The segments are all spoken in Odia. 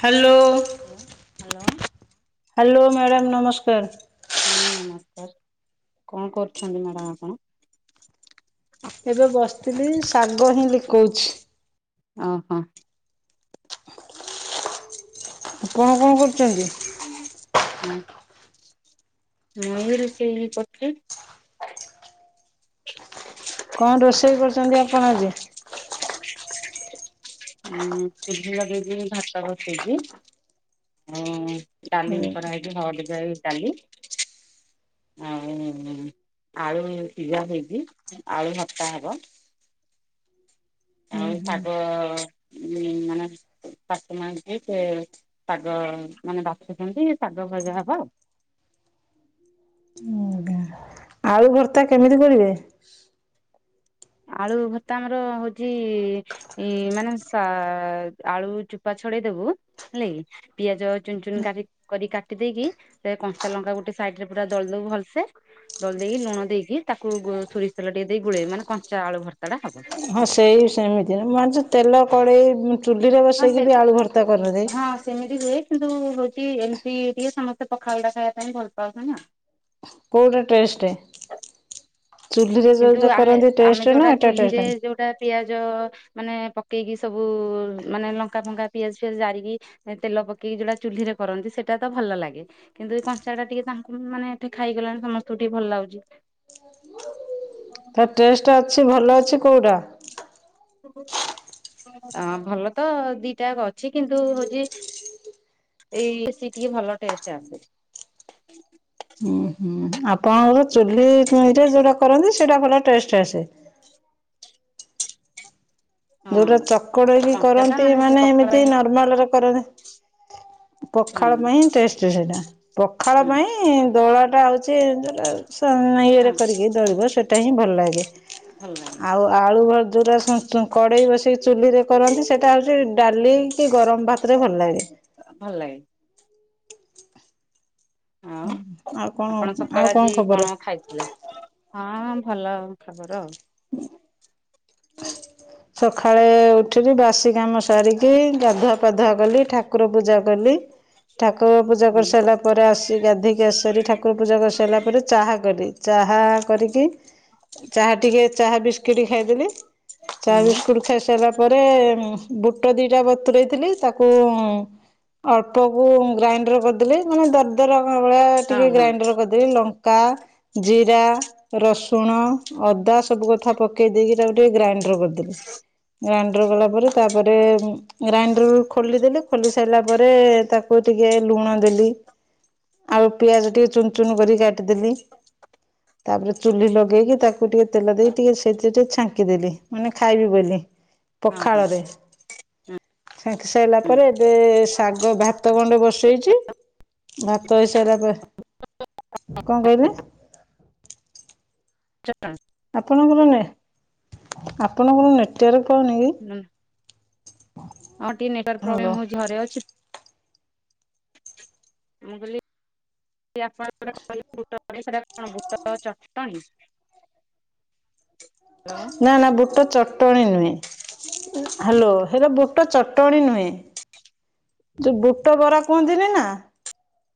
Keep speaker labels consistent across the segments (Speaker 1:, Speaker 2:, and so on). Speaker 1: Hello.
Speaker 2: Hello. Hello
Speaker 1: hello madam ନମସ୍କାର।
Speaker 2: ହଁ ନମସ୍କାର, କଣ କରୁଛନ୍ତି ମ୍ୟାଡାମ ଆପଣ?
Speaker 1: ଏବେ ବସିଥିଲି ଶାଗ ହିଁ ଲିକଉଛି।
Speaker 2: ଓହୋ।
Speaker 1: କଣ କଣ କରୁଛନ୍ତି।
Speaker 2: ଆଜ୍ଞା। ମୁଇ ରୋଷେଇ କରୁଥିଲି।
Speaker 1: କଣ ରୋଷେଇ କରୁଛନ୍ତି ଆପଣ ଆଜି?
Speaker 2: ଉଁ ଚୁଲି ଲଗେଇବି ଭାତ ବସେଇବି ଆ ଡାଲି
Speaker 1: ହୁଁ
Speaker 2: କରା ହେଇଚି ହଳଦି ଯାଇ ଡାଲି ଆଉ। ଆଳୁ ସିଜା ହେଇଚି ଆଳୁ ଭର୍ତ୍ତା ହବ। ଆଉ ଶାଗ ଉଁ ମାନେ [unintelligible] ସେ ଶାଗ ମାନେ ବାଛୁଛନ୍ତି ଶାଗଭଜା ହବ ଆଉ। [inaudible]
Speaker 1: ଆଜ୍ଞା ଆଳୁ ଭର୍ତ୍ତା କେମିତି କରିବେ?
Speaker 2: ଆଳୁ ଭତ୍ତା ଆମର ହଉଚି ଇ ମାନେ ସା ଆଳୁ ଚୁପା ଛାଡେଇ ଦେବୁ ହେଲା କି ପିଆଜ ଚୁନ ଚୁନ କରିକି କାଟି ଦେଇକି ସେଥିରେ କଞ୍ଚା ଲଙ୍କା ଗୋଟେ ସାଇଟରେ ପୁରା ଦଳିଦେବୁ ଭଲସେ ଦଳିଦେଇକି ଲୁଣ ଦେଇକି ତାକୁ ଶୋରିଷ ତେଲ ଟିକେ ଦେଇକି ଗୋଳେଇବୁ ମା ଆଳୁ ଭର୍ତ୍ତାଟା ହେବ।
Speaker 1: ହଁ ସେଇ ସେମିତି ମୁଁ ଆଜି ତେଲ କଡ଼େଇ ଚୁଲିରେ
Speaker 2: ହଁ ସେ
Speaker 1: ବସେଇକି ବି ଆଳୁ ଭର୍ତ୍ତା କରନ୍ତି।
Speaker 2: ହଁ ସେମିତି ହୁଏ କିନ୍ତୁ ହେଉଛି ଏମିତି ଟିକେ ସମସ୍ତେ ପଖାଲଟା ଖାଇବାକୁ ପାଇଁ ଭଲ ପାଉଛନ୍ତି ନା।
Speaker 1: କଉଟା ଟେଷ୍ଟ? ଚୁଲିରେ
Speaker 2: କିନ୍ତୁ
Speaker 1: ଯୋଉଟା
Speaker 2: ଆମେ
Speaker 1: କରନ୍ତି
Speaker 2: ଆମେ
Speaker 1: ଟେଷ୍ଟ ନା
Speaker 2: ଯୋଉଟା
Speaker 1: ଏଟା
Speaker 2: ଚୁଲିରେ
Speaker 1: ଟେଷ୍ଟ?
Speaker 2: ଯଉଟା ପିଆଜ ମାନେ ପକେଇକି ସବୁ ମାନେ ଲଙ୍କା ଫଙ୍କା ପିଆଜ ଫିଆଜ ଜାରିକି ତେଲ ପକି ଯୋଉଟା ଚୁଲିରେ କରନ୍ତି। ସେଇଟା ତ ଭଲ ଲାଗେ କିନ୍ତୁ ଏ କଞ୍ଚାଟା ଟିକେ ତାଙ୍କୁ ମାନେ ଏଠି ଖାଇଗଲେଣି ସମସ୍ତଙ୍କୁ ଟିକେ ଭଲ ଲାଗୁଛି। [inaudible]
Speaker 1: ତ ଟେଷ୍ଟ ଅଛି ଭଲ ଅଛି କଉଟା?
Speaker 2: ଭଲ ତ ଦୁଇଟାକ ଅଛି କିନ୍ତୁ ହଉଛି ଏଇ [unintelligible] ଟିକେ ଭଲ ଟେଷ୍ଟ ଆସେ।
Speaker 1: ଆପଣଙ୍କ ଚୁଲିରେ ଯୋଉଟା କରନ୍ତି ସେଇଟା ଭଲ ଟେଷ୍ଟ ଆସେ।
Speaker 2: ହଁ।
Speaker 1: ଯଉଟା ଚକଡ଼ିକି
Speaker 2: କଞ୍ଚା ଟା
Speaker 1: କରନ୍ତି
Speaker 2: ସେ
Speaker 1: ମାନେ
Speaker 2: ପଖାଳ
Speaker 1: ଏମିତି
Speaker 2: ପାଇଁ
Speaker 1: ନର୍ମାଲରେ କରା
Speaker 2: ହୁଁ
Speaker 1: ପଖାଳ ପାଇଁ ଟେଷ୍ଟ ସେଇଟା ପଖାଳ
Speaker 2: ହୁଁ
Speaker 1: ପାଇଁ ଦୋଳା ସେଟା ହଉଛି ଧର ୟେ
Speaker 2: ହଁ
Speaker 1: ରେ କରିକି ଦଳିବ ସେଇଟା ହିଁ ଭଲ ଲାଗେ।
Speaker 2: ଭଲ ଲାଗେ
Speaker 1: ଆଉ ଆଳୁ ଯୋଉଟା [unintelligible] କଡେଇ ବସେଇକି ଚୁଲିରେ କରନ୍ତି ସେଟା ହଉଛି। ଡାଲି କି ଗରମ ଭାତରେ ଭଲ ଲାଗେ।
Speaker 2: ଭଲ ଲାଗେ। ହଉ
Speaker 1: ଆଉ କଣ
Speaker 2: ଆପଣ
Speaker 1: ଆଉ
Speaker 2: ସକାଳ ଆଜି
Speaker 1: ଖବର?
Speaker 2: କଣ ଖାଇଥିଲେ? ହଁ ଭଲ ଖବର ଆଉ।
Speaker 1: ସକାଳେ ଏଠି ବାସି କାମ ସାରିକି ଗାଧୁଆ ପାଧୁଆ କଲି ଠାକୁର ପୂଜା କଲି। ଠାକୁର ପୂଜା
Speaker 2: ହୁଁ
Speaker 1: କରିସାରିଲା ପରେ ଆସି ଗାଧିକି ଆସିସାରି ଠାକୁର ପୂଜା କରିସାରିଲା ପରେ ଚାହା କଲି ଚାହା ଚାହା କରିକି ଚାହା ଟିକେ ଚାହା ବିସ୍କିଟ ଖାଇଦେଲି। ଚା
Speaker 2: ହୁଁ
Speaker 1: ବିସ୍କୁଟ୍ ଖାଇ ସାରିଲା ପରେ। ବୁଟ ଦିଟା ବତୁରେଇ ଥିଲି ତାକୁ ଅଳ୍ପକୁ ଗ୍ରାଇଣ୍ଡର କରି ମାନେ ଦରଦର ହେବାଭଳି
Speaker 2: ହଁ
Speaker 1: ଟିକେ
Speaker 2: ହଁ।
Speaker 1: ଗ୍ରାଇଣ୍ଡର କରିଦେଲି ଲଙ୍କା ଜିରା ରସୁଣ ଅଦା ସବୁ କଥା ପକେଇ ଦେଇକି ତାକୁ ଟିକେ ଗ୍ରାଇଣ୍ଡର କରିଦେଲି। ଗ୍ରାଇଣ୍ଡର ଗଲାପରେ ତାପରେ ଗ୍ରାଇଣ୍ଡର ଖୋଲିଦେଲି ଖୋଲି ସାରିଲା ପରେ ତାକୁ ଟିକେ ଲୁଣ ଦେଲି ଆଉ ପିଆଜ ଟିକେ ଚୁନଚୁନ କରି କାଟିଦେଲି। ତାପରେ ଚୁଲି ଲଗେଇକି ତାକୁ ଟିକେ ତେଲ ଦେଇକି ଟିକେ ସେଇଥି ଟିକେ ଛାଙ୍କି ଦେଲି। ମାନେ ଖାଇବି ବୋଲି
Speaker 2: ହଁ ହଁ
Speaker 1: ପଖାଳରେ। ସେକି ସାରିଲା ପରେ ଏବେ ଶାଗ ଭାତ ଭାତ ହେଇସାରିଲା ପରେ କଣ କହିଲେ?
Speaker 2: [unintelligible]
Speaker 1: ଆପଣଙ୍କର ନୁ ଏଆପଣଙ୍କର ନେଟୱାର୍କ ନେଇ।
Speaker 2: ହଁ ଟିକେ ନେଟୱାର୍ ପ୍ରୋବ୍ଲେମ ହଉଛି ଘରେ ଅଛି। ମୁକଲି। [unintelligible] ଆପଣଙ୍କ କହିଲେ [inaudible] ସେଟା କଣ ବୁଟ ଚଟଣୀ। [inaudible]
Speaker 1: ନା ନା ବୁଟ ଚଟଣୀ ନୁହେଁ
Speaker 2: ହଁ
Speaker 1: ହ୍ୟାଲୋ ହେରା ବୁଟ ବୁଟ ଚଟଣି ନୁହେଁ। ତ ବୁଟ ବରା କୁହନ୍ତିନି ନା?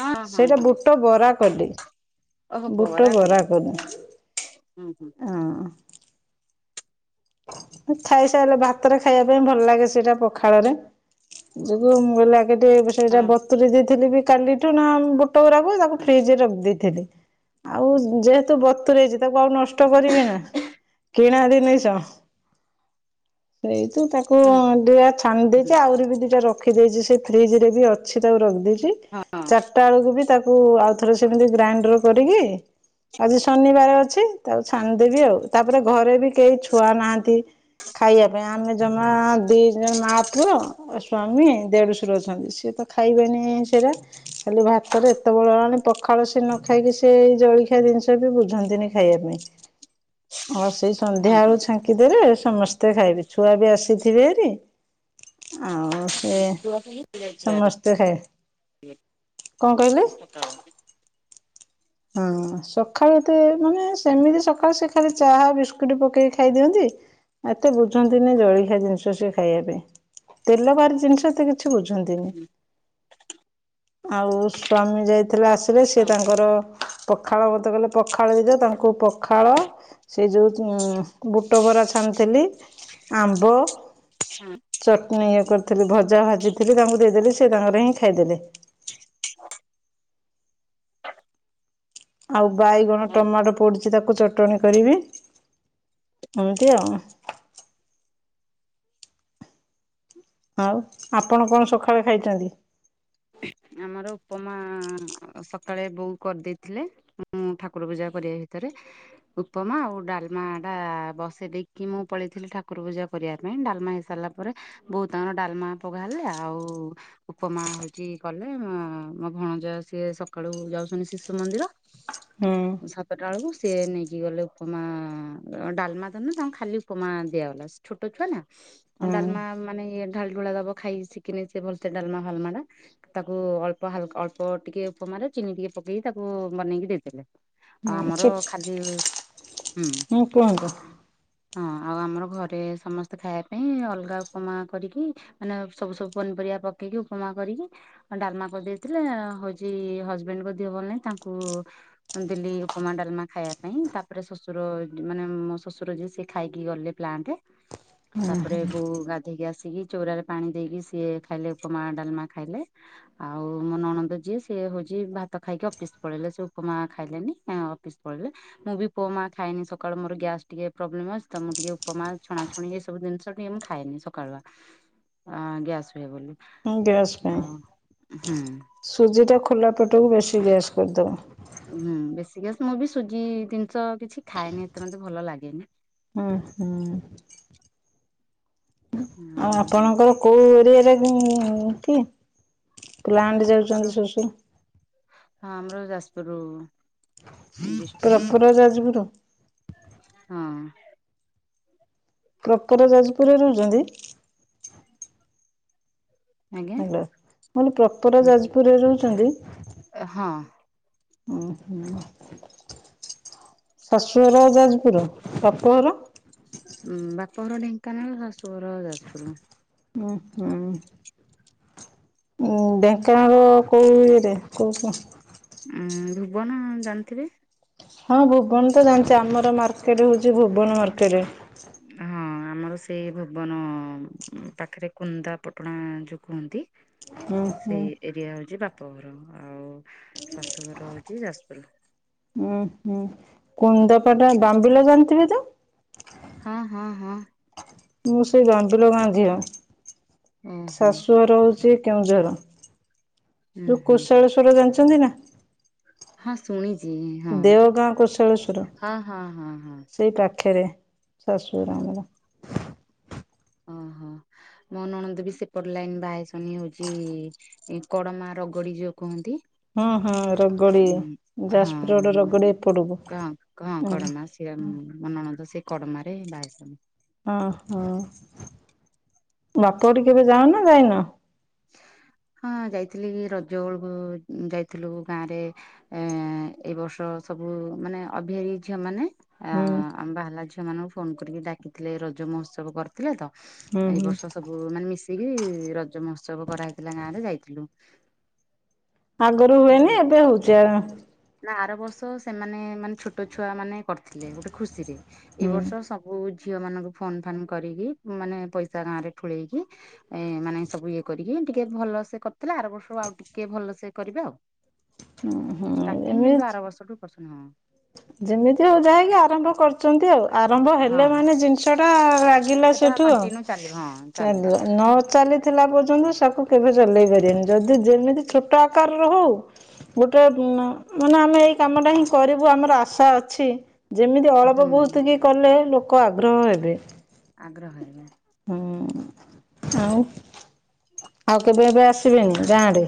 Speaker 2: ହଁ ହଁ
Speaker 1: ସେଇଟା
Speaker 2: ହଁ
Speaker 1: ବୁଟ ବରା କଲି
Speaker 2: ଓହୋ
Speaker 1: ବୁଟ
Speaker 2: କର
Speaker 1: ବରା କଲି।
Speaker 2: ହୁଁ ହୁଁ।
Speaker 1: ଖାଇସାରଲେ ଭାତରେ ଖାଇବା ପାଇଁ ଭଲ ଲାଗେ ସେଇଟା ପଖାଳରେ। [unintelligible] ସେଟା
Speaker 2: ହଁ
Speaker 1: ବତୁୁରୀଇ ଦେଇଥିଲି ବି କାଲିଠୁ ନା ବୁଟ ଗୁଡ଼ାକୁ ତାକୁ
Speaker 2: ହୁଁ
Speaker 1: ଫ୍ରିଜ ରେ ରଖୀ ଦେଇଥିଲି। ଆଉ ଯେହେତୁ ବତୁରେଇଚି ତାକୁ ଆଉ ନଷ୍ଟ କରିବି ନା। କିଣା ଜିନିଶ। ସେଇତୁ ତାକୁ
Speaker 2: ହୁଁ
Speaker 1: ଦୁଟା ଛାଣି
Speaker 2: ହୁଁ
Speaker 1: ଦେଇଛି ଆହୁରି ବି ଦିଟା ରଖ ଫ୍ରିଜରେ ବି ଅଛି ତାକୁ ରଖିଦେଇଚି
Speaker 2: ହଁ
Speaker 1: ଚାରିଟା ବେଳକୁ ବି ତାକୁ ପଥରେ ସେମିତି ଗ୍ରାଇଣ୍ଡର କରିକି ଆଜି ଶନିବାର ଅଛି ତାକୁ ଛାଣିଦେବି ଆଉ ତାପରେ ଘରେ ବି କେହି ଛୁଆ ନାହାନ୍ତି। ଖାଇବା ପାଇଁ ଆମେ ଜମା ଦି ଜଣ ମା ପୁଅ ସ୍ଵାମୀ ଦେଢଶର ଅଛନ୍ତି ସି ଖାଇବେନି ସେଇଟା ଖାଲି ଭାତରେ ଏତେବେଳ ହେଲାଣି ପଖାଳ ସେ ନ ଖାଇକି ସେ ଜଳଖିଆ ଜିନିଷ ବି ବୁଝନ୍ତିନି ଖାଇବା ପାଇଁ ଆ ସେଇ ସନ୍ଧ୍ୟା
Speaker 2: ହଁ
Speaker 1: ବେଳୁ
Speaker 2: ହଁ
Speaker 1: ଛାଙ୍କିଦେଲେ ସମସ୍ତେ ଖାଇବେ ଛୁଆ ବି ଆସିଥିଭାରି। ଆଉ ସେ
Speaker 2: ପୁଅ ସ୍କୁଲ
Speaker 1: ସମସ୍ତେ ଖା
Speaker 2: ସାକାଳ
Speaker 1: ହଁ ସକାଳୁତ ମାନେ ସେମିତି ସକାଳୁ ସେଖ ଚାହା ବିସ୍କୁଟ ପକେଇକି ଖାଇଦିଅନ୍ତି। ଏତେ ବୁଝନ୍ତିନି ଜଳିଖିଆ ଜିନିଷ ସ ଖାଇବା ପାଇଁ ତେଲବାର ଜିନିଷ କିଛି ବୁଝନ୍ତିନି। ଆଉ ସ୍ଵାମୀ ଯାଇଥିଲେ ଆସିଲେ ସି
Speaker 2: ହଁ ହଁ
Speaker 1: ତାଙ୍କର ପଖାଳ ମତେ କହଲେ ପଖାଳ ବିଦ ତାଙ୍କୁ ପଖାଳ ସେ ଯୋଉ ଉ ବୁଟ ଭରା ଛାନଥିଲି ଆମ୍ବ
Speaker 2: ହଁ
Speaker 1: ଚଟନି ଥିଲ ଭଜା ଭାଜିଥିଲି ତାଙ୍କୁ ଦେଇଦେଲି ସେ ତାଙ୍କର ହିଁ ଖାଇଦେଲେ। ଆଉ ବାଇଗଣ ଟମାଟୋ ପଡ଼ିୁଛି ତାକୁ ଚଟଣି କରିବି। ଏମତି ଆଉ। ଆଉ ଆପଣ କଣ ସକାଳେ ଖାଇଛନ୍ତି?
Speaker 2: ଆମର ଉପମା ସକାଳେ ବୋଉ କରିଦେଇଥିଲେ ମୁଁ ଠାକୁର ପୂଜା ପର ଭିତରେ ଉପମା ଆଉ ଡାଲମା ଟା ବସେ ଦେଇକି ମୁଁ ପଳେଇଥିଲି ଠାକୁର ପୂଜା କରିବା ପାଇଁ ଡାଲମା ହେଇସାରିଲା ପରେ ବୋଉ ତାଙ୍କର ଡାଲମା ପଘାରିଲେ ହେଲେ ଆଉ ଉପମା ହ କି କଲେ ମୋ ଭଣଜା ସିଏ ସକାଳୁ ଯାଉଛନ୍ତି ଶିଶୁ ମନ୍ଦିର
Speaker 1: ହୁଁ
Speaker 2: ସାତଟା ବେଳକୁ ସି ନେଇକି ଗଲେ ଉପମା ଡାଲମା ତ ନା ତାଙ୍କୁ ଖାଲି ଉପମା ଦିଆଗଲା ଛୋଟ ଛୁଆ ନା।
Speaker 1: ହୁଁ
Speaker 2: ଡାଲମା ମାନେ ଇଏ ଢାଲ ଢୁଳି ଦବ ଖାଇ ଶିଖିନେଇ ସେ ଭଲ ସେେ ଡାଲମା ଫାଲମା ଟା ତାକୁ ଅଳ୍ପ ହାଲ ଅଳ୍ପ ଟିକେ ଉପମାର ଚିନି ଟିକେ ପକେଇକି ତାକୁ ବନେଇକି ଦେଇଲେ। ଆଉ
Speaker 1: ହୁଁ
Speaker 2: ଆମର
Speaker 1: ଚୁପ୍
Speaker 2: ଖାଲି ହୁଁ।
Speaker 1: ହୁଁ କୁହନ୍ତୁ
Speaker 2: ହଁ ଆଉ ଆମର ଘରେ ସମସ୍ତେ ଖାଇବା ପାଇଁ ଅଲଗା ଉପମା କରିକି ମାନେ ସବୁ ସବୁ ପନି ପରିବା ପକେଇକି ଉପମା କରି ଡାଲମା କରିଦେଇଥିଲେ ହୋଉଚି ହଜବେଣ୍ଡଙ୍କ ଭଲ ନାହିଁ ତାଙ୍କୁ ଦେଲି ଉପମା ଡାଲମା ଖାଇବା ପାଇଁ ତାପରେ ଶଶୁର ମାନେ ମୋ ଶଶୁର ଯିଏ ସେିଏ ଖାଇକି ଗଲେ ପ୍ଲାଣ୍ଟ। ତାପରେ ବୋଉ ଗାଧେଇକି ଆସିକି ଚଉଁରାରେ ପାଣି ଦେଇକି ସିଏ ଖାଇଲେ ଉପମା ଡାଲମା। ଖାଇଲେ ଆଉ ମୋ ନଣନ୍ଦ ଯିଏ ସିଏ ହେଉଛି ଭାତ ଖାଇକି ଅଫିସ ପଳେଇଲେ, ସେ ଉପମା ଖାଇଲେନି। ହଁ ଅଫିସ ପଳେଇଲେ। ମୁଁ ବି ଉପମା ଖାଇନି ସକାଳୁ ମୋର ଗ୍ୟାସ୍ ଟିକେ ପ୍ରୋବ୍ଲେମ୍ ଅଛି ତ ମୁଁ ଟିକେ ଉପମା ଛଣାଛୁଣି ଏଇସବୁ ଜିନିଷ ଟିକେ ମୁଁ ଖାଏନି ସକାଳୁଆ, ଆ ଗ୍ୟାସ ହୁଏ ବୋଲି।
Speaker 1: ହଁ ଗ୍ୟାସ୍
Speaker 2: ଆଉ
Speaker 1: ପାଇଁ।
Speaker 2: ହୁଁ
Speaker 1: ସୁଜିଟା ଖୋଲା ପେଟକୁ ବେଶୀ ଗ୍ୟାସ୍ କରିଦବ।
Speaker 2: ହୁଁ ବେଶୀ ଗ୍ୟାସ ମୁଁ ବି ସୁଜି ଜିନିଷ କିଛି ଖାଏନି ଏତେ ମତେ ଭଲ ଲାଗେନି।
Speaker 1: ଓ ହୁଁ।
Speaker 2: ହ
Speaker 1: ଆଉ ଆପଣଙ୍କର କୋଉ ଏରିଆରେ ଇଁ କି? ପ୍ଲାଣ୍ଟ
Speaker 2: ଆମର
Speaker 1: ଯାଉଚନ୍ତି ଶ୍ଵଶୁର।
Speaker 2: ହଁ ଆମର ଯାଜପୁରରୁୁ
Speaker 1: ପ୍ରପର ଯାଜପୁରୁ?
Speaker 2: ହଁ
Speaker 1: ପ୍ରପର ଯାଜପୁରରେ ରହୁଛନ୍ତି?
Speaker 2: ଆଜ୍ଞା
Speaker 1: ହ୍ୟାଲୋ। ମୁଁ କହିଲି ପ୍ରପର ଯାଜପୁରରେ ରହୁଛନ୍ତି?
Speaker 2: ହଁ।
Speaker 1: ଉଁ ହୁଁ। ଶାଶୂଘର ଯାଜପୁରୁ, ବାପଘର?
Speaker 2: ବାପଘର ଢେଙ୍କାନାଳ, ଶାଶୂଘର ଯାଜପୁରୁ।
Speaker 1: ଓ ହୁଁ। ଢେଙ୍କାନାଳ କୋଉ ଇଏରେ? କୋଉ ଉଁ
Speaker 2: ଉଁ ଭୁବନ ଜାଣିଥିବେ
Speaker 1: ହଁ ଭୁବନ ତ ଜାଣିଚି। ଆମର ମାର୍କେଟ ହଉଚି ଭୁବନ ମାର୍କେଟେ।
Speaker 2: ହଁ ଆମ ଆମର ସେଇ ଭୁବନ ପାଖରେ କୁନ୍ଦାପଟଣା ଯୋଉ କୁହନ୍ତି
Speaker 1: ଉଁ ହୁଁ
Speaker 2: ସେଇ ଏରିଆ ହଉଛି ବାପଘର, ଆଉ ଶାଶୂଘର ହଉଛି ଯାଜପୁର।
Speaker 1: ଉଁ ହୁଁ। କୁନ୍ଦାପଟା ବାମ୍ବିଲ ଜାଣିଥିବେ ତ?
Speaker 2: ହଁ ହଁ ହଁ।
Speaker 1: ମୁଁ ସେଇ ବାମ୍ବିଲ ଗାଁ ଝିଅ।
Speaker 2: ଓହୋ
Speaker 1: ଶାଶୂଘର ହଉ ଚି କେଉଁଝର।
Speaker 2: ହୁଁ
Speaker 1: ଯୋଉ
Speaker 2: ହୁଁ
Speaker 1: କୋଷାଳେଶ୍ଵର ଜାଣିଚନ୍ତି ନା
Speaker 2: ହଁ ଶୁଣି
Speaker 1: ଦେଓ ଗାଁ କୋଷାଳେଶ୍ଵର।
Speaker 2: ହଁ ହଁ ହଁ ହଁ
Speaker 1: ସେଇ ପାଖ ପାଖେରେ ଶାଶୂଘର ଆମର।
Speaker 2: ହଁ ହଁ। ମୋ ନଣନ୍ଦ ବି ସେପଟ ଲାଇନ ବାହା ହେଇଛନ୍ତି ଇଏ ହଉଚି, ଇ କଡମା ରଗଡି ଯୋଉ କୁହନ୍ତି।
Speaker 1: ହୁଁ ହଁ ରଗଡି
Speaker 2: ଉଁ ହଁ
Speaker 1: ଯାଜପୁର ରୋଡ ରଗଡି ଏପଟକୁ
Speaker 2: ଏମ୍ ମୋ ନଣନ୍ଦ ସେ କଡମାରେ ବାହାହେଇଛନ୍ତି।
Speaker 1: ଅ ହଁ। ବାପଘଟି କେବେ ଯାଅ ନା ଯାଇନ?
Speaker 2: ହ [inaudible] ହଁ ଯାଇଥିଲି, ରଜ ବେଳକୁ ଯାଇଥିଲୁ ଗାଁରେ ଏଇ ବର୍ଷ ସବୁ ମାନେ ଅଭିଆରୀ ଝିଅମାନେ
Speaker 1: ହୁଁ
Speaker 2: ଆମ ବାହାହେଲା ଝିଅ ମାନଙ୍କୁ ଫୋନ କରିକି ଡାକିଥିଲେ, ଏଇ ରଜ ମହୋତ୍ସବ କରିଥିଲେ ତ
Speaker 1: ହୁଁ
Speaker 2: ଏଇ
Speaker 1: ହୁଁ
Speaker 2: ବର୍ଷ ସବୁ ମାନେ ମିଶିକି ରଜ ମହତ୍ସ ତ୍ସବ କରାହେଇଥିଲା ଗାଁରେ ଯାଇଥିଲୁ।
Speaker 1: ଆଗରୁ ହୁଏନି ଏବେ ହଉଛି ଆ
Speaker 2: ନା ଆର ବର୍ଷ ସେମାନେ ମାନେ ଛୋଟ ଛୁଆ ମାନେ କରିଥିଲେ, ଗୋଟେ ଖୁସିରେ ଏଇ
Speaker 1: ହୁଁ
Speaker 2: ବର୍ଷ ସବୁ ଝିଅ ମାନଙ୍କୁ ଫୋନ ଫାନ କରିକି ମାନେ ପଇସା ଗାଁ ରେ ଠୁଳେଇକି, ଏ ମାନେ ସବୁ ଇଏ କରିକି ଟିକେ ଭଲ ସେ କରିଥିଲା, ଆର ବର୍ଷକୁ ଆଉ ଟିକେ ଭଲସେ କରିବେ ଆଉ।
Speaker 1: ହୁଁ ହୁଁ
Speaker 2: ଷ୍ଟାର୍ଟିଂ କିନ୍ତୁ
Speaker 1: ଏମିତି
Speaker 2: ଆର ବର୍ଷଠୁ ପଶୁ
Speaker 1: ଯେମିତି ହଉ ଯାହା ହେଇକି ଆରମ୍ଭ କରିଚନ୍ତି ଆଉ। ଆରମ୍ଭ ହେଲେ
Speaker 2: ହଁ
Speaker 1: ମାନେ ଜିନିଷ ଟା
Speaker 2: ହଁ
Speaker 1: ଲାଗିଲା
Speaker 2: ସେଟା
Speaker 1: ସେଇଠୁ ଆଉ।
Speaker 2: କଣ୍ଟିନ୍ୟୁ ଚାଲିବ ହଁ
Speaker 1: ଚାଲିବ ନ ଚାଲିଥିଲା ପର୍ଯ୍ୟନ୍ତ ସାକୁ କେବେ ଚଲେଇ ପାରିବେନି ଯଦି ଯେମିତି ଛୋଟ ଆକାରରେ ହଉ ଗୋଟେ ମାନେ ଆମେ ଏଇ କାମ ଟା ହିଁ କରିବୁ ଆମର ଆଶା ଅଛି। ଯେମିତି ଅଳପ
Speaker 2: ହୁଁ
Speaker 1: ବହୁତ କି କଲେ ଲୋକ ଆଗ୍ରହ ହେବେ।
Speaker 2: ଆଗ୍ରହ ହେବେ।
Speaker 1: ହୁଁ ଆଉ ଆଉ କେବେ ଏବେ ଆସିବେନି ଗାଁ ଆଡେ?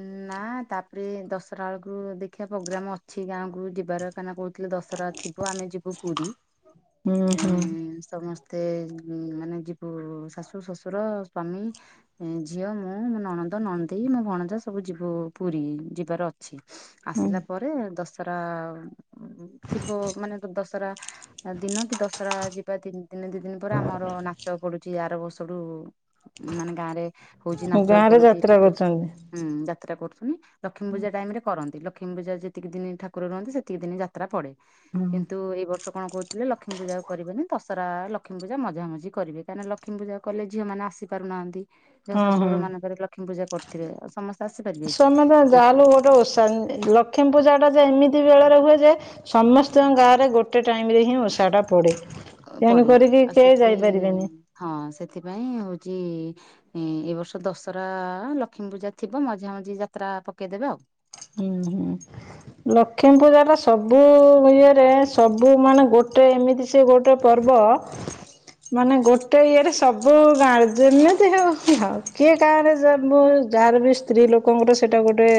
Speaker 2: ନା ତାପରେ ଦଶରା ବେଳକୁୁ ଦେଖିବା ପ୍ରୋଗ୍ରାମ ଅଛି ଗାଁ କୁ ଯିବାର କାହିଁନା କହୁଥିଲେ ଦଶରା ରା ଥିବ ଆମେ ଯିବୁ ପୁରୀ
Speaker 1: ହୁଁ ହୁଁ
Speaker 2: ସମସ୍ତେ ମତେ ମାନେ ଯିବୁ ଶାଶୁ ଶ୍ୱଶୁର ସ୍ଵାମୀ ଝିଅ ମୁଁ ମୋ ନଣନ୍ଦ ନ୍ଦ ନଣଦେଇ ମୋ ଭଣଜା ସବୁ ଯିବୁ ପୁରୀ ଯିବାର ଅଛି। ଆସିଲା ପରେ ଦସ୍ ହରା ଥିବ ମାନେ ଦଶହରା ଦିନ କି ଦଶରା ଯିବା ଦି ଦିନେ ଦିଇ ଦିନ ପରେ ଆମର ନାଚ ପଡୁଛି ଆର ବର୍ଷରୁୁ ମାନେ ଗାଁ ରେ ହଉଛି
Speaker 1: ହୁଁ
Speaker 2: ନାଚ
Speaker 1: ଗାଁ ରେ
Speaker 2: ପଡୁଛି
Speaker 1: ଯାତ୍ରା
Speaker 2: ଟିକେଟ
Speaker 1: କରୁଛନ୍ତି।
Speaker 2: ହୁଁ ଯାତ୍ରା କରୁଛୁନି ଲକ୍ଷ୍ମୀ ପୂଜା ଟାଇମ ରେ କରନ୍ତି। କ୍ଷ୍ମୀ ପୂଜା ଯେତିକି ଦିନ ଠାକୁର ରୁହନ୍ତି। ସେତିକି ଦିନ ଯାତ୍ରା ପଡେ କିନ୍ତୁ ଏଇ ବର୍ଷ କଣ କହୁଥିଲେ ଲକ୍ଷ୍ମୀ ଲକ୍ଷ୍ମୀ ପୂଜାକୁ କରିବେନି। ଦଶରା ଲକ୍ଷ୍ମୀ ପୂଜା ମଝା ମଝି କରିବେ କାହିଁକିନା ଲକ୍ଷ୍ମୀ ପୂଜାକୁ କଲେ ଝଅମାନେ ଆସିପାରୁନାହାନ୍ତି। ଯାହା ଶାଶୁଘର ମାନଙ୍କରେ ଲକ୍ଷ୍ମୀ ପୂଜା କରୁ
Speaker 1: ସମ ତ ଯାହାହେଲେ ଗୋଟୋ ଓଷା ଲକ୍ଷ୍ମୀ ପୂଜା ଟା ଯେ ଏମିତି? ସେତିିକି ବେଳରେ ହୁଏ ଯେ ସମସ୍ତଙ୍କ ଗାଁରେ ଗୋଟେ ଟାଇମରେ ହିଁ ଓଷାଟା ପଡ଼େ।
Speaker 2: ପଡେ ଆଉ ସେଥି ହଁ ସେଥିପାଇଁ ହଉଛି ଇଁ ଏ ବର୍ଷ ଦଶରା ଲକ୍ଷ୍ମୀ ପୂଜା ଥିବ ମଝା ମଝି ଯାତ୍ରା ପକେଇଦେବେ ଆଉ।
Speaker 1: ହୁଁ ହୁଁ ଲକ୍ଷ୍ମୀ ପୂଜା ଟା ସବୁ ଇଏରେ ସବୁ ମାନେ ଗୋଟେ ଗୋଟେ ଏମିତି ସେ ଗୋଟେ ପର୍ବ ମାନେ ଗୋଟେ ଇଏରେ ସବୁ ଗାଁରେ ଯେମିତି ହଉ ଆଉ କିଏ ଗାଁ ରେ ଯବୁ ଯାହାର ବି ସ୍ତ୍ରୀ ଲୋକଙ୍କର ସେଇଟା ଗୋଟେ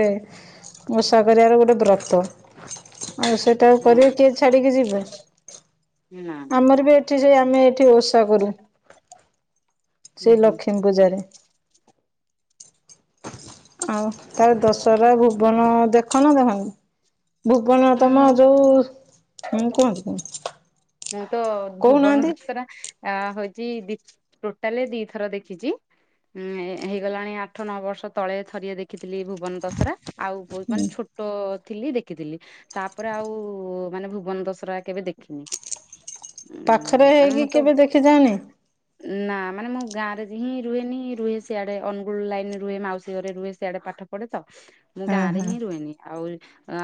Speaker 1: ଓଷା କରିବାର ଗୋଟେ ବ୍ରତ ଆଉ ସେଇଟା
Speaker 2: ହଁ
Speaker 1: କରିବେ କିଏ ଛାଡିକି ଯିବେ।
Speaker 2: ନା ହୁଁ
Speaker 1: ଆମର ବି ଏଠି ସେ ଆମେ ଏଠି ଓଷା କରୁ। ସେଇ
Speaker 2: ହୁଁ
Speaker 1: ଲକ୍ଷ୍ମୀ ପୂଜାରେ। ଆଉ ତାର ଦଶହରା ଭୁବନ ଦେ ଦେଖନ ଦେଖନ୍ତ ଭୁବନ ତମ
Speaker 2: ମୁଁ
Speaker 1: ଯୋଉ ହଁ କୁହନ୍ତି କୁହନ୍ତୁ।
Speaker 2: ମୁଁ ତ ଭୁବନ
Speaker 1: କହୁନାହାନ୍ତି
Speaker 2: ଦଶରା ଆ ହଉଛି ଦି ଟୋଟାଲ ଦିଥର ଦେଖିଛି। ଉଁ ହେଇଗଲାଣି ଆଠ ନଅ ବର୍ଷ ତଳେ ଥରିଏ ଦେଖିଥିଲି ଭୁବନ ଦଶରା। ଆଉ ବହୁତ
Speaker 1: ହୁଁ
Speaker 2: ମାନେ ଛୋଟ ଥିଲି ଦେଖିଥିଲି ତାପରେ ଆଉ ମାନେ ଭୁବନ ଦଶରା କେବେ ଦେଖିନି। ଉଁ
Speaker 1: ପାଖରେ
Speaker 2: ମାନେ ମୁଁ
Speaker 1: ହେଇକି
Speaker 2: ତ
Speaker 1: କେବେ ଦେଖିଯାଆଣି?
Speaker 2: ନା ମାନେ ମୁଁ ଗାଁରେ ହିଁ ରୁହେନି ରୁହେ ସିଆଡ଼େ ଅନୁଗୁଳ ଲାଇନ୍ରେ ରୁହେ ମାଉସୀ ଘରେ ରୁହେ ସିଆଡ଼େ ପାଠ ପଢ଼େ ତ। ମୁଁ ଗାଁ
Speaker 1: ହଁ
Speaker 2: ରେ
Speaker 1: ହଁ
Speaker 2: ହିଁ ରୁହେନି ଆଉ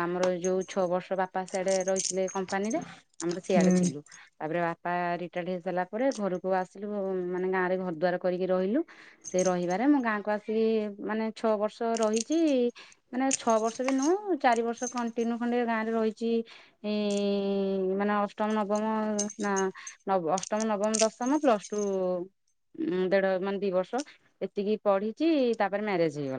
Speaker 2: ଆମର ଯୋଉ ଛଅ ବର୍ଷ ବାପା ସିଆଡେ ରହିଥିଲେ କମ୍ପାନୀରେ ଆମର ସିଆଡେ
Speaker 1: ହୁଁ
Speaker 2: ଥିଲୁ ତାପରେ ବାପା ରିଟାୟାର୍ଡ ହେଇସାରିଲା ପରେ ଘରକୁ ଆସିଲୁ ମାନେ ଗାଁ ରେ ଘର ଦ୍ୱାର କରିକି ରହିଲୁ ସେ ରହିବାରେ ମୁଁ ଗାଁକୁ ଆସିକି ମାନେ ଛଅ ବର୍ଷ ରହିଛି ମାନେ ଛଅ ବର୍ଷ ବି ନୁହଁ ଚାରି ବର୍ଷ କଣ୍ଟିନିଉ ଖଣ୍ଡେ ଗାଁରେ ରହିଛି ଏ ମାନେ ଅଷ୍ଟ ଷ୍ଟମ ନବମ ନା ନବ ଅଷ୍ଟମ ନବମ ଦଶମ ପ୍ଲସ ଟୁ ଉ ଦେଢ ମାନେ ଦି ବର୍ଷ ଏତିକି ପଢିଚି ତାପରେ ମ୍ୟାରେଜ ହେଇଗଲା।